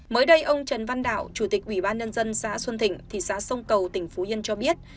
mới đây ông trần văn đạo chủ tịch ủy ban nhân dân xã xuân thịnh thị xã sông cầu tỉnh phú yên cho biết